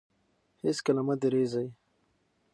هېڅکله مه درېږئ.